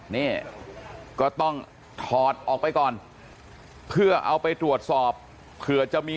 นี่ก็ต้องถอดออกไปก่อนเพื่อเอาไปตรวจสอบเผื่อจะมี